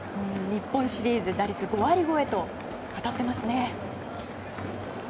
日本シリーズ打率５割超えと当たっていますね。